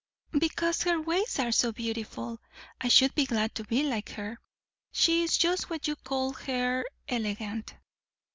"Because her ways are so beautiful. I should be glad to be like her. She is just what you called her elegant."